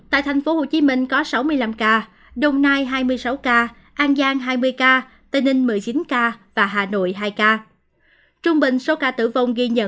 tại thành phố hồ chí minh có sáu mươi năm ca đồng nai hai mươi sáu ca an giang hai mươi ca tây ninh một mươi chín ca